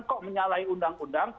kok menyalahi undang undang